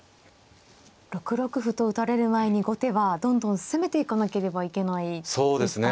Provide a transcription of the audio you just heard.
６六歩と打たれる前に後手はどんどん攻めていかなければいけないですか。